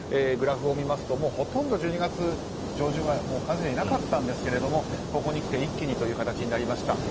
グラフを見ますとほとんど１２月上旬は感染者がいなかったんですがここにきて一気にという形になりました。